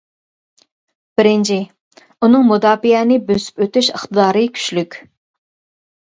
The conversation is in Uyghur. بىرىنچى، ئۇنىڭ مۇداپىئەنى بۆسۈپ ئۆتۈش ئىقتىدارى كۈچلۈك.